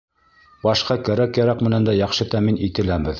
Башҡа кәрәк-яраҡ менән дә яҡшы тәьмин ителәбеҙ.